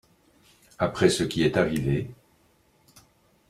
Après ce qui est arrivé …